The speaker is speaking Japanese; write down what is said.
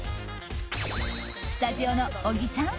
スタジオの小木さん